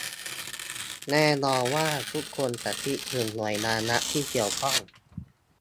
แน่นอนว่าทุกคนจะคิดถึงหน่วยงานรัฐที่เกี่ยวข้อง